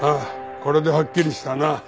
これではっきりしたな。